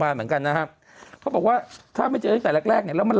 บาลเหมือนกันนะเขาบอกว่าถ้าไม่เจอได้แต่แรกแล้วมัน